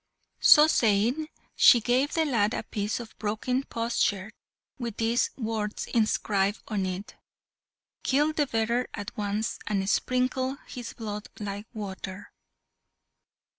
So saying, she gave the lad a piece of broken potsherd, with these words inscribed on it "Kill the bearer at once, and sprinkle his blood like water!"